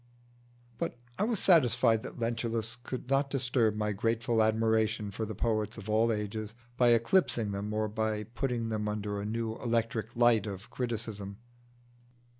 But I was satisfied that Lentulus could not disturb my grateful admiration for the poets of all ages by eclipsing them, or by putting them under a new electric light of criticism.